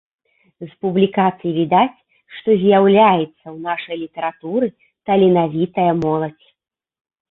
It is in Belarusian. З публікацый відаць, што з'яўляецца ў нашай літаратуры таленавітая моладзь.